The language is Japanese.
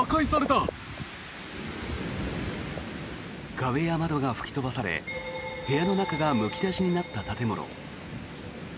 壁や窓が吹き飛ばされ部屋の中がむき出しになった建物。